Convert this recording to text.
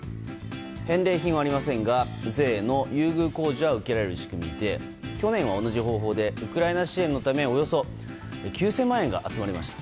返礼品はありませんが税の優遇控除は受けられる仕組みで去年は同じ方法でウクライナ支援のためおよそ９０００万円が集まりました。